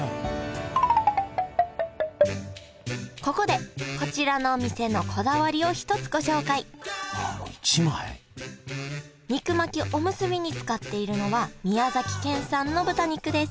ここでこちらのお店のこだわりを一つご紹介肉巻きおむすびに使っているのは宮崎県産の豚肉です